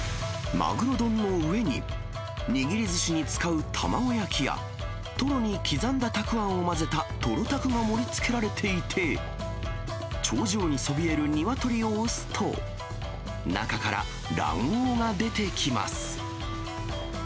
マグロ丼の上に、握りずしに使う卵焼きや、トロに刻んだたくあんを混ぜたとろたくが盛りつけられていて、頂上にそびえる鶏をおすと、中から卵黄が出てきます。